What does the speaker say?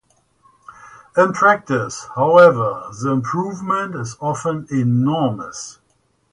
In practice, however, the improvement is often enormous.